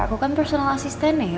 aku kan personal assistant ya